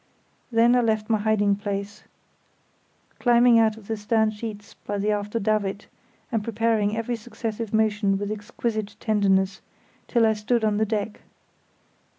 Then I left my hiding place, climbing out of the stern sheets by the after davit, and preparing every successive motion with exquisite tenderness, till I stood on the deck.